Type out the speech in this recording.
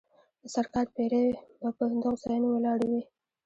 د سرکار پیرې به په دغو ځایونو ولاړې وې.